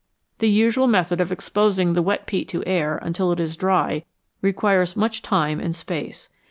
The usual method of exposing the wet peat to air until it is dry requires much time and space.